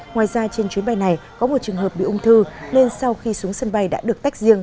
ngoài ra trên chuyến bay này có một trường hợp bị ung thư nên sau khi xuống sân bay đã được tách riêng